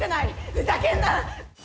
ふざけんな！」